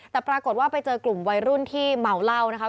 แต่ปรากฏว่าไปเจอกลุ่มวัยรุ่นที่เมาเหล้านะคะ